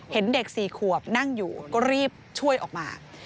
เห็นเด็ก๔ขวบนั่งอยู่ก็รีบช่วยออกมา